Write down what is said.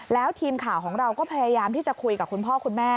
แล้วทีมข่าวของเราก็พยายามที่จะคุยกับคุณพ่อคุณแม่